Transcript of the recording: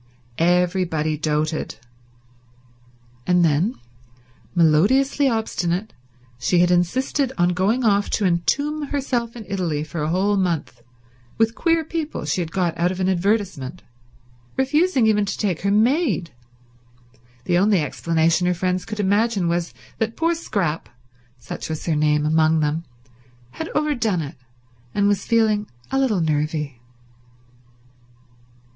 Everybody doted. And when, melodiously obstinate, she had insisted on going off to entomb herself in Italy for a whole month with queer people she had got out of an advertisement, refusing even to take her maid, the only explanation her friends could imagine was that poor Scrap—such was her name among them—had overdone it and was feeling a little nervy.